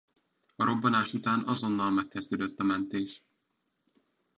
A robbanás után azonnal megkezdődött a mentés.